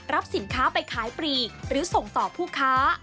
สินค้าไปขายปลีกหรือส่งต่อผู้ค้า